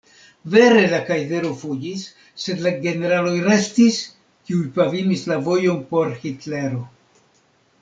Vere, la kajzero fuĝis sed la generaloj restis, kiuj pavimis la vojon por Hitlero.